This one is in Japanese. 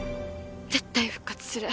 絶対復活する